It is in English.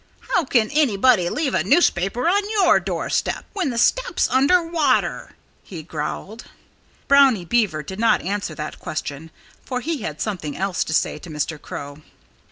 "How can anybody leave a newspaper on your doorstep, when the step's under water?" he growled. Brownie Beaver did not answer that question, for he had something else to say to Mr. Crow.